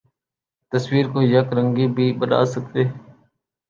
تصویر کو یک رنگی بھی بنا سکتے